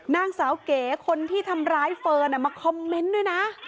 นางสาวเก๋คนที่ทำร้ายเฟิร์นมาคอมเมนต์ด้วยนะ